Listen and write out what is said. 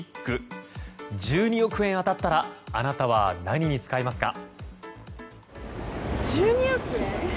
１２億円当たったらあなたは何に使いますか？